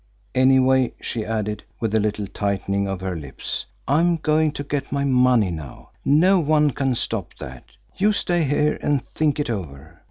Anyway," she added, with a little tightening of the lips, "I am going to get my money now. No one can stop that. You stay here and think it over.